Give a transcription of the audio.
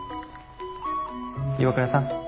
岩倉さん